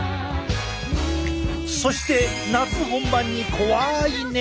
そして夏本番に怖い熱中症。